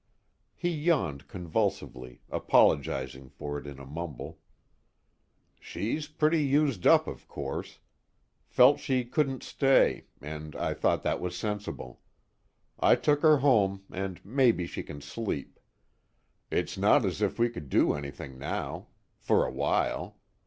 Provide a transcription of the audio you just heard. He yawned convulsively, apologizing for it in a mumble. "She's pretty used up of course. Felt she couldn't stay, and I thought that was sensible. I took her home, and maybe she can sleep. It's not as if we could do anything now. For a while.